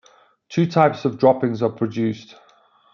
Two types of droppings are produced.